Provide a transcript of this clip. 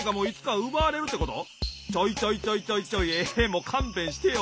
もうかんべんしてよ。